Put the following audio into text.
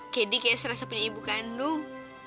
kedi kayak serasa punya ibu kandung